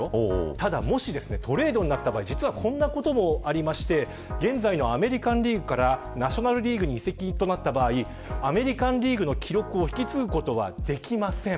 ただトレードになった場合実はこのこともありまして現在のアメリカンリーグからナショナルリーグに移籍となった場合アメリカンリーグの記録を引き継ぐことはできません。